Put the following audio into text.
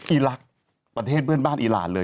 อีรักษ์ประเทศเพื่อนบ้านอีรานเลย